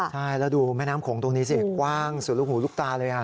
ใช่แล้วดูแม่น้ำโขงตรงนี้สิกว้างสุดลูกหูลูกตาเลย